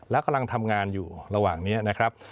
แล้วกำลังทำงานอยู่ระหว่างนี้นะครับ